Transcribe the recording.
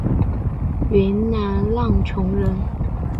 云南浪穹人。